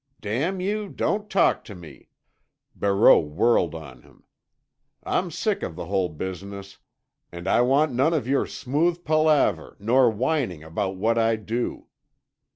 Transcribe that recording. "Damn you, don't talk to me!" Barreau whirled on him. "I'm sick of the whole business, and I want none of your smooth palaver, nor whining about what I do."